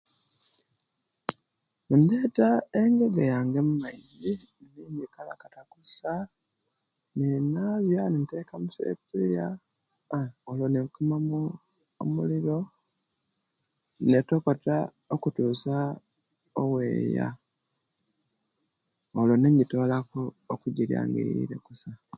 Ndeta engege yange omumaizi nejikalakata kusa nenabya nejiteka musepulya aah awo nekumamu omuliro netokota okutusa oweeya olwo'nejitola okujirya nga eyire kusa